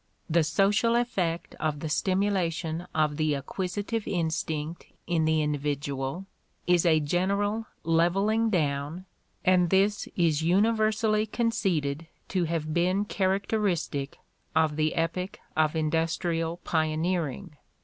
The social effect of the stimxdation of the acquisitive instinct in the individual is a general "levelling down," and this is universally conceded to have been characteristic of the epoch of industrial pioneering.